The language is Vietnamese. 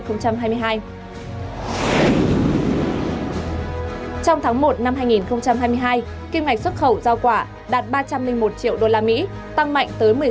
trong tháng một năm hai nghìn hai mươi hai kim ngạch xuất khẩu giao quả đạt ba trăm linh một triệu usd tăng mạnh tới một mươi